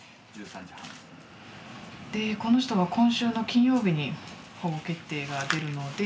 でこの人は今週の金曜日に保護決定が出るので。